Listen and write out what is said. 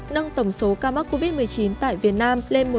nâng tổng số ca mắc covid một mươi chín tại việt nam lên một bốn trăm linh hai ca